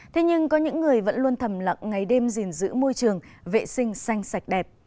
thế nhưng có những người vẫn luôn thầm lặng ngày đêm gìn giữ môi trường vệ sinh xanh sạch đẹp